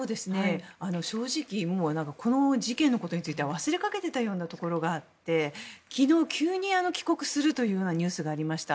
正直この事件のことについて忘れかけていたようなところがあって昨日、急に帰国するというニュースがありました。